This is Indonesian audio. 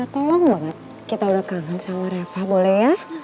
tolong banget kita udah kangen sama reva boleh ya